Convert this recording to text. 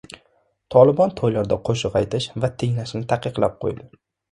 Tolibon to‘ylarda qo‘shiq aytish va tinglashni taqiqlab qo‘ydi